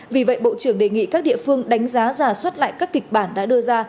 vì vậy bộ trưởng đề nghị các địa phương đánh giá giả soát lại các kịch bản đã đưa ra